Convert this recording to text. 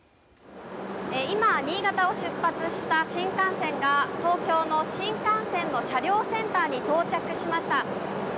今、新潟を出発した新幹線が東京の新幹線の車両センターに到着しました。